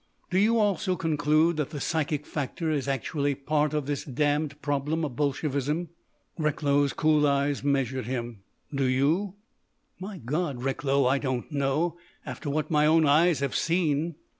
"Do you, also, conclude that the psychic factor is actually part of this damned problem of Bolshevism?" Recklow's cool eyes measured him: "Do you?" "My God, Recklow, I don't know—after what my own eyes have seen."